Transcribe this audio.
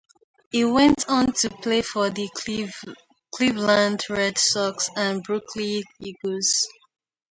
He went on to play for the Cleveland Red Sox and Brooklyn Eagles.